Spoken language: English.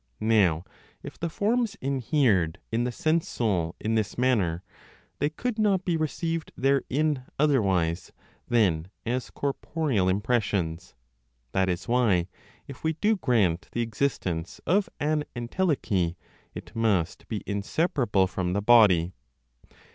Now, if the forms inhered in the sense soul in this manner, they could not be received therein otherwise (than as corporeal impressions). That is why, if we do grant the existence of an entelechy, it must be inseparable from the body.